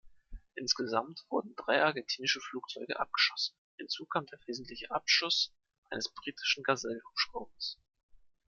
Insgesamt wurden drei argentinische Flugzeuge abgeschossen, hinzu kam der versehentliche Abschuss eines britischen Gazelle-Hubschraubers.